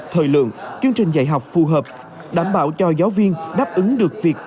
thời lượng chương trình dạy học phù hợp đảm bảo cho giáo viên đáp ứng được việc